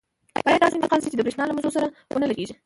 باید داسې انتقال شي چې د بریښنا له مزو سره ونه لګېږي.